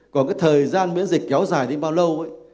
còn cái thời gian miễn dịch kéo dài đến bao lâu ấy